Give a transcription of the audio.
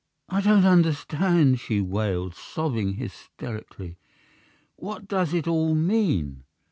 "I don't understand!" she wailed, sobbing hysterically. "What does it all mean?